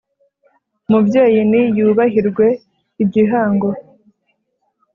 umubyeyi ni yubahirwe igihango